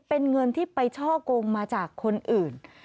เป็นเงินที่ไปช่อกงมาจากคนอื่น